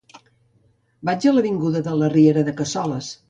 Vaig a l'avinguda de la Riera de Cassoles.